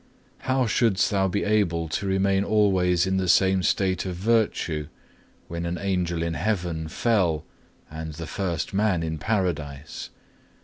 How shouldst thou be able to remain alway in the same state of virtue, when an angel in heaven fell, and the first man in paradise?